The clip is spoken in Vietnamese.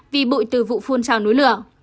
vì bụi từ vụ phun trào núi lửa